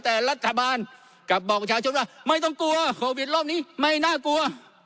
แต่รัฐบาลกลับบอกประชาชนว่าไม่ต้องกลัวโควิดรอบนี้ไม่น่ากลัว